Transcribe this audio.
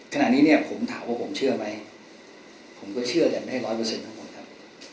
ขณะนี้เนี่ยผมถามว่าผมเชื่อไหมผมก็เชื่อแต่ไม่ให้ร้อยเปอร์เซ็นทั้งหมดครับ